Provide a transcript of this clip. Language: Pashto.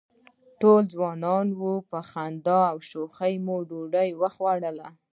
ټول ځوانان وو، په خندا او شوخۍ مو ډوډۍ وخوړله.